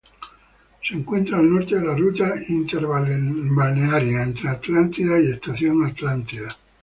Se encuentra al norte de la Ruta Interbalnearia, entre Atlántida y Estación Atlántida.